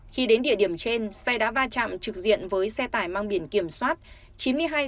khi đến địa điểm trên xe đã va chạm trực diện với xe tải mang biển kiểm soát chín mươi hai c hai mươi nghìn sáu mươi